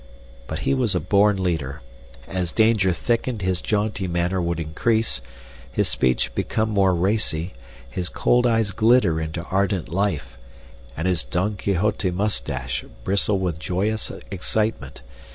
But he was a born leader. As danger thickened his jaunty manner would increase, his speech become more racy, his cold eyes glitter into ardent life, and his Don Quixote moustache bristle with joyous excitement.